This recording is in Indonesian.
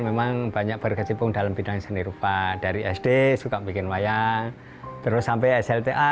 memang banyak berkecimpung dalam bidang seni rupa dari sd suka bikin wayang terus sampai slta